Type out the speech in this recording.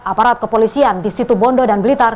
aparat kepolisian di situ bondo dan blitar